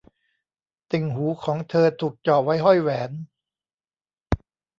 ติ่งหูของเธอถูกเจาะไว้ห้อยแหวน